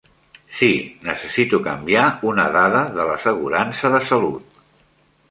Sí, necessito canviar una dada de l'assegurança de salut.